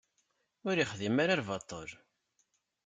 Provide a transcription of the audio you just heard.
Ur yexdim ara lbaṭel.